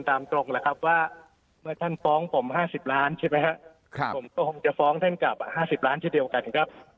ผม๕๐ล้านใช่ไหมครับผมจะฟ้องเท่ากับ๕๐ล้านทีเดียวกันครับ